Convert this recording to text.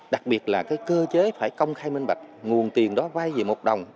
đặc biệt là cơ chế phải công khai minh bạch nguồn tiền đó vay về một đồng